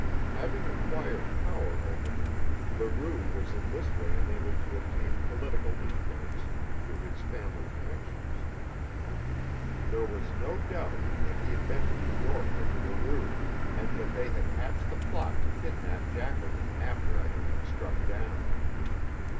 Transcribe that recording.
Having acquired power over him, Leroux was in this way enabled to obtain political influence through his family connections. There was no doubt that he had been in New York with Leroux, and that they had hatched the plot to kidnap Jacqueline after I had been struck down.